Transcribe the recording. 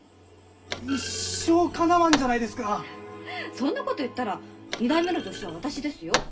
そんなこと言ったら２代目の助手は私ですよ。